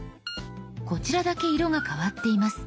こちらだけ色が変わっています。